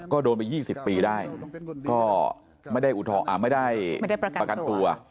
ก็โดนไป๒๐ปีได้ก็ไม่ได้ประกันตัว